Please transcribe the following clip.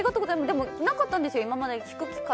でもなかったんですよ、今まで。